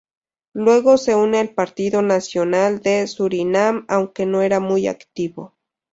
Luego se une al Partido Nacional de Surinam, aunque no era muy activo.